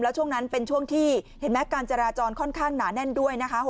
ช่วงนั้นเป็นช่วงที่เห็นไหมการจราจรค่อนข้างหนาแน่นด้วยนะคะ